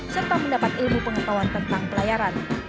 serta mendapat ilmu pengetahuan tentang pelayaran